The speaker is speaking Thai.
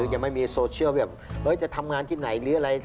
ยังไม่มีโซเชียลแบบจะทำงานที่ไหนหรืออะไร